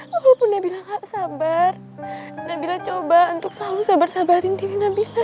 walaupun nabila nggak sabar nabila coba untuk selalu sabar sabarin diri nabila